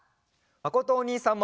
まことおにいさんも！